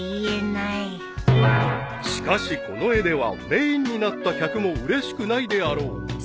［しかしこの絵ではメインになった客もうれしくないであろう］